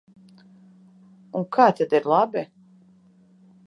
Un kā tad ir labi?